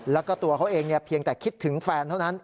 แล้วก็ตัวเขาเองเพียงแต่คิดถึงแฟนเท่านั้น